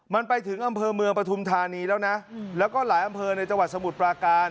มันไปถึงอำเภอเมืองปฐุมธานีแล้วนะแล้วก็หลายอำเภอในจังหวัดสมุทรปราการ